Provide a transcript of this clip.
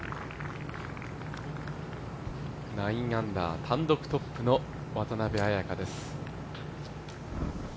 ９アンダー単独トップの渡邉彩香です。